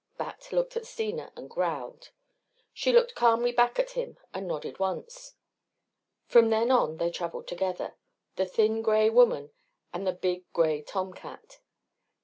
Bat looked at Steena and growled. She looked calmly back at him and nodded once. From then on they traveled together the thin gray woman and the big gray tom cat.